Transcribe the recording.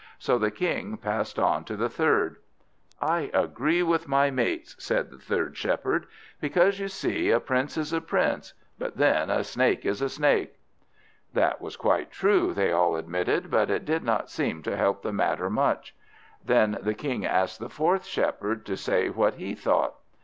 So the King passed on to the third. "I agree with my mates," said the third Shepherd, "because, you see, a Prince is a Prince, but then a Snake is a Snake." That was quite true, they all admitted; but it did not seem to help the matter much. Then the King asked the fourth Shepherd to say what he thought.